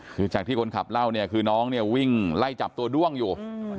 คือจากที่คนขับเล่าเนี่ยคือน้องเนี่ยวิ่งไล่จับตัวด้วงอยู่